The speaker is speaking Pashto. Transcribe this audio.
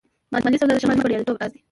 مالي سواد د شخصي مالي بریالیتوب راز دی.